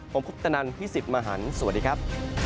ผมพุทธนันท์พี่สิบมหันฯสวัสดีครับ